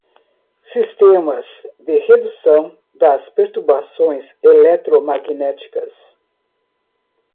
sistemas de redução das perturbações eletromagnéticas